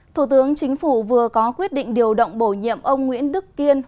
thủ tướng chính phủ vừa có quyết định điều động bổ nhiệm ông nguyễn đức kiên